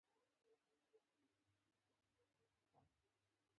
وچکالي د بزګرانو دښمن ده